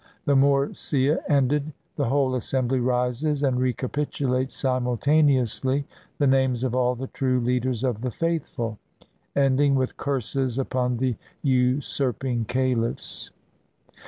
The moorseah ended, the whole assembly rises, and recapitulates simultaneously the names of all the true leaders of "the faithful," ending with curses upon the usurping califs.